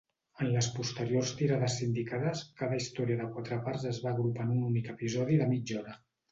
En les posteriors tirades sindicades, cada història de quatre parts es va agrupar en un únic episodi de mitja hora.